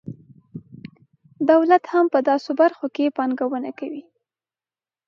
دولت هم په داسې برخو کې پانګونه کوي.